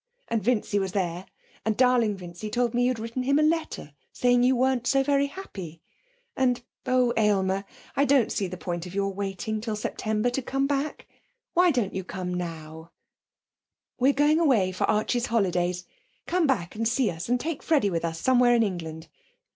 And Vincy was there, and darling Vincy told me you'd written him a letter saying you weren't so very happy. And oh, Aylmer, I don't see the point of your waiting till September to come back. Why don't you come now? 'We're going away for Archie's holidays. Come back and see us and take Freddie with us somewhere in England.